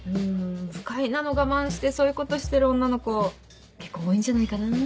不快なの我慢してそういうことしてる女の子結構多いんじゃないかな。